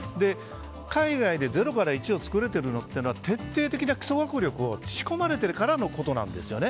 海外で０から１を作れるのは徹底的な基礎学力を仕込まれているからのことなんですよね。